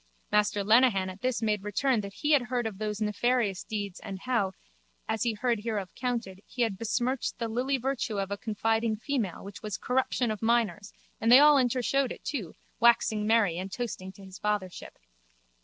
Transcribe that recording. Master Lenehan at this made return that he had heard of those nefarious deeds and how, as he heard hereof counted, he had besmirched the lily virtue of a confiding female which was corruption of minors and they all intershowed it too, waxing merry and toasting to his fathership.